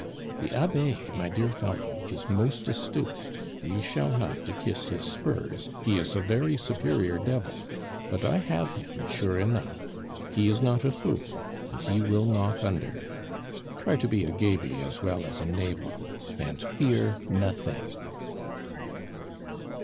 The Abbe, my dear fellow, is most astute; we shall have to kiss his spurs; he is a very superior devil. But I have him sure enough. He is not a fool, and he will knock under. Try to be a gaby as well as a nabob, and fear nothing."